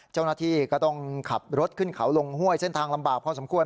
เจ้าหน้าที่ก็ต้องขับรถขึ้นเขาลงห้วยเส้นทางลำบากพอสมควร